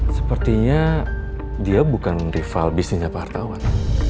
sepertinya dia bukan rival bisnisnya pak wartawan